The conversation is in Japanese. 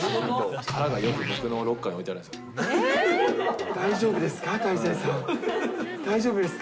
殻がよく、僕のロッカーに置いてあるんですよ。